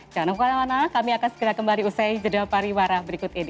jangan kemana mana kami akan segera kembali usai jeda pariwara berikut ini